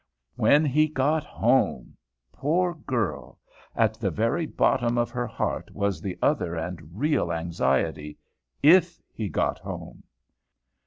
When he got home! Poor girl! at the very bottom of her heart was the other and real anxiety, if he got home.